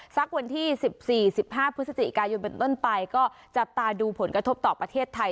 สักวันที่๑๔๑๕พฤศจิกายนเป็นต้นไปก็จับตาดูผลกระทบต่อประเทศไทย